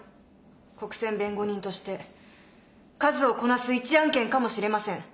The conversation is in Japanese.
国選弁護人として数をこなす一案件かもしれません。